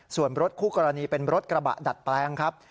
ส่วนรถคู่กรณีเป็นรถกระบะดัดแปลงครับ